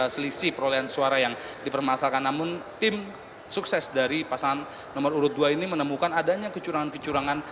selisih perolehan suara yang dipermasakan namun tim sukses dari pasangan nomor urut dua ini menemukan adanya kecurangan kecurangan